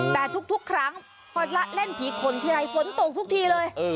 แต่ทุกครั้งพอละเล่นผีขนทีไรฝนตกทุกทีเลย